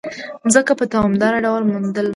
مځکه په دوامداره ډول بدلون مومي.